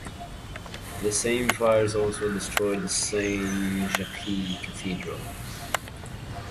The same fires also destroyed the Saint-Jacques Cathedral.